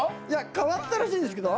変わったらしいんですけど。